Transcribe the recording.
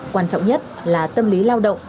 quan trọng nhất là tâm lý lao động